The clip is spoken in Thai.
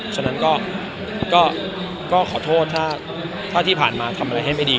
ฉะนั้นก็ขอโทษถ้าที่ผ่านมาทำอะไรให้ไม่ดี